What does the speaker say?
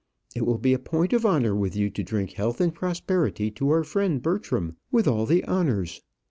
It will be a point of honour with you to drink health and prosperity to our friend Bertram with all the honours.